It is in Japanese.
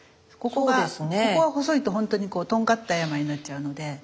ここが細いと本当にこうとんがった山になっちゃうので。